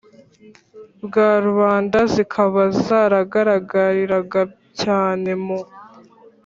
bwa rubanda, zikaba zaragaragariraga cyane, mu